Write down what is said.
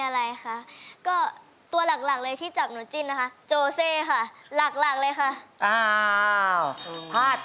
รักกันเนาะแล้วก็อยู่ด้วยกันนะครับ